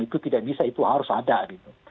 itu tidak bisa itu harus ada gitu